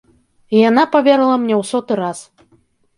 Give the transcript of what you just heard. І яна паверыла мне ў соты раз.